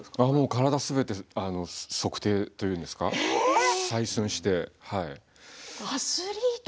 体すべて測定というんですか、採寸して。